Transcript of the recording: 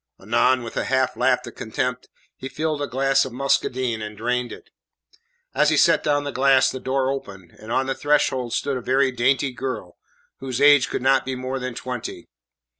Anon, with a half laugh of contempt, he filled a glass of muscadine, and drained it. As he set down the glass the door opened, and on the threshold stood a very dainty girl, whose age could not be more than twenty.